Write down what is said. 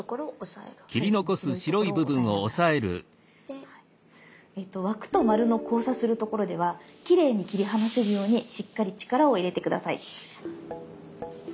えっと枠と丸の交差するところではきれいに切り離せるようにしっかり力を入れて下さい。